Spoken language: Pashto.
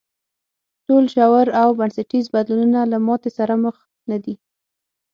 ټول ژور او بنسټیز بدلونونه له ماتې سره مخ نه دي.